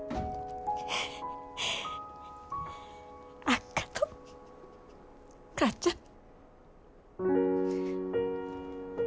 あっがとう母ちゃん。